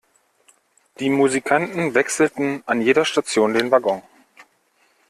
Die Musikanten wechselten an jeder Station den Waggon.